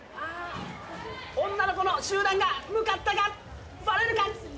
女の子の集団が向かったがバレるか？